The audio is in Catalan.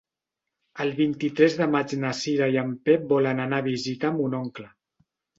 El vint-i-tres de maig na Cira i en Pep volen anar a visitar mon oncle.